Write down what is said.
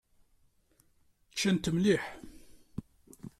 Ččant mliḥ.